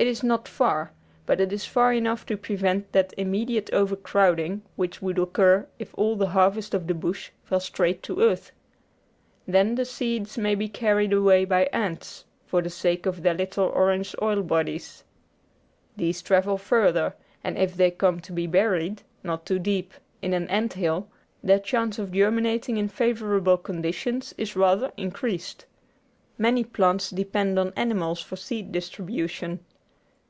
It is not far, but it is far enough to prevent that immediate overcrowding which would occur if all the harvest of the bush fell straight to earth. Then the seeds may be carried away by ants for the sake of their little orange oil bodies; these travel further, and if they come to be buried, not too deep, in an anthill, their chance of germinating in favourable conditions is rather increased. Many plants depend on animals for seed distribution.